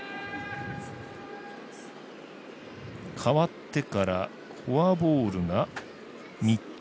代わってからフォアボールが３つ。